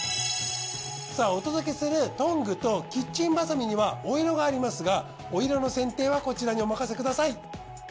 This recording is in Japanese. さあお届けするトングとキッチンバサミにはお色がありますがお色の選定はこちらにお任せください。